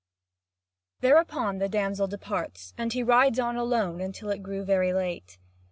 Thereupon the damsel departs, and he rides on alone until it grew very late.